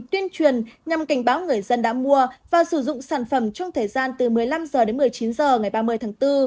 tuyên truyền nhằm cảnh báo người dân đã mua và sử dụng sản phẩm trong thời gian từ một mươi năm h đến một mươi chín h ngày ba mươi tháng bốn